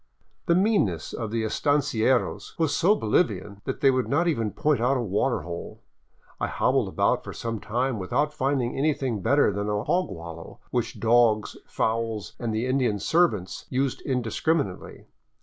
The mean ness of the estancieros was so Bolivian that they would not even point out a water hole. I hobbled about for some time without finding anything better than a hog wallow, which dogs, fowls, and the Indian servants used indiscriminately.